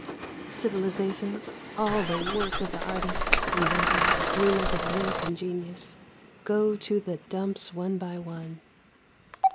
Civilizations, all the work of the artists, inventors, dreamers of work and genius, go to the dumps one by one.